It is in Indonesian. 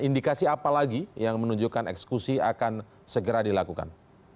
indikasi apa lagi yang menunjukkan eksekusi akan segera dilakukan